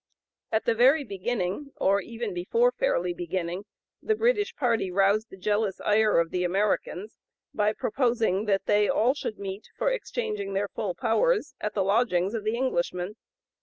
At the very beginning, or even before fairly beginning, the British party roused the jealous ire of the Americans by proposing that they all should meet, for exchanging their full powers, at the lodgings of the Englishmen.